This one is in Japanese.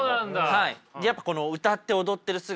はい。